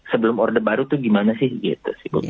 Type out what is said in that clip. sebelum order baru itu gimana sih gitu